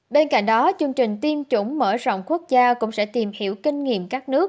bên cạnh đó chương trình tiêm chủng mở rộng quốc gia cũng sẽ tìm hiểu kinh nghiệm các nước